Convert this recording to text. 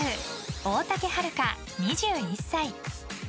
大竹遥香、２１歳。